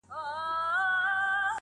ما یې له منبره د بلال ږغ اورېدلی دی،